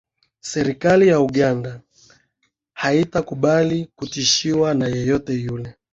serikali ya uganda haitakubali kutishwa na yeyote yule